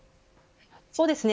そうですね。